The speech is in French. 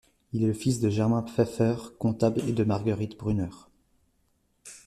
Il est le fils de Germain Pfeiffer, comptable et de Marguerite Brunner.